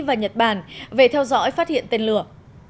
và nhật bản về theo dõi phát hiện tên lửa